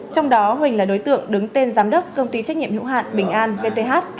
trong đó huỳnh là đối tượng đứng tên giám đốc công ty trách nhiệm hữu hạn bình an vth